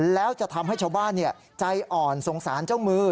แล้วจะทำให้ชาวบ้านใจอ่อนสงสารเจ้ามือ